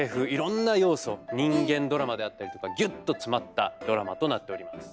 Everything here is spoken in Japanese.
人間ドラマであったりとかぎゅっと詰まったドラマとなっております。